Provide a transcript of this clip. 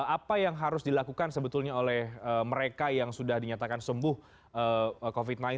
apa yang harus dilakukan sebetulnya oleh mereka yang sudah dinyatakan sembuh covid sembilan belas